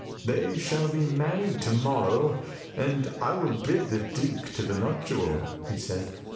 "They shall be married to morrow, and I will bid the Duke to the nuptial," he said.